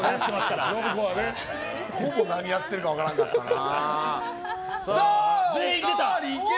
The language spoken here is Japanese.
ほぼ何やってるか分からんかったな。